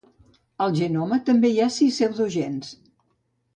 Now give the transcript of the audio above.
Al genoma també hi ha sis pseudogens.